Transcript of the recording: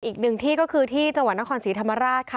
อีกหนึ่งที่ก็คือที่จังหวัดนครศรีธรรมราชค่ะ